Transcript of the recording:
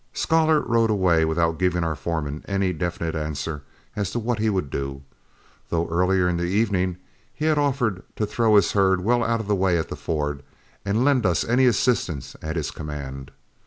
Scholar rode away without giving our foreman any definite answer as to what he would do, though earlier in the evening he had offered to throw his herd well out of the way at the ford, and lend us any assistance at his command.